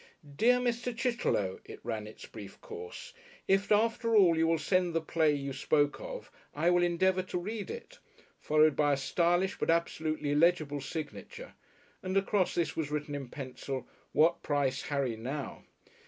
"Dear Mr. Chitterlow," it ran its brief course, "if after all you will send the play you spoke of I will endeavour to read it," followed by a stylish but absolutely illegible signature, and across this was written in pencil, "What price, Harry, now?"